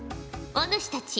お主たち